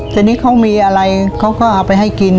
ทีนี้เขามีอะไรเขาก็เอาไปให้กิน